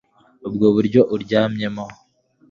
ubwo buryo uryamyemo